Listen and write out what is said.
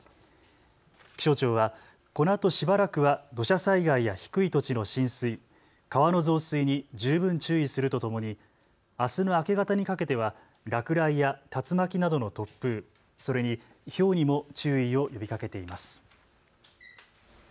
気象庁はこのあとしばらくは土砂災害や低い土地の浸水、川の増水に十分注意するとともにあすの明け方にかけては落雷や竜巻などの突風、それにひょうにも注意を呼びかけています。